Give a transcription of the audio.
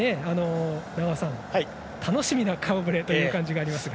楽しみな顔ぶれという感じがありますが。